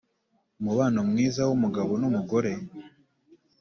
umubano mwiza w’umugabo n’umugore.